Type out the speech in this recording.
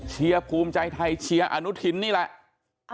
ภูมิใจไทยเชียร์อนุทินนี่แหละ